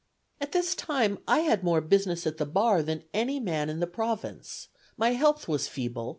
"At this time I had more business at the bar than any man in the Province. My health was feeble.